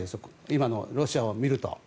今のロシアを見ていると。